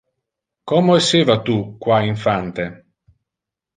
Como esseva tu qua infante?